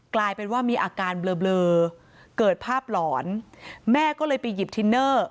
กลายเป็นว่ามีอาการเบลอเกิดภาพหลอนแม่ก็เลยไปหยิบทินเนอร์